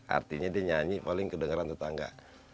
artinya dia nyanyi paling kedengeran tetangga